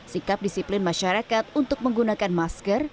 sikap disiplin masyarakat untuk menggunakan masker